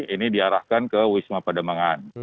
ini diarahkan ke wisma pademangan